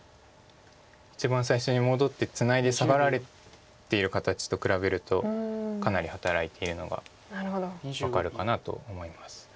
一番最初に戻ってツナいでサガられている形と比べるとかなり働いているのが分かるかなと思います。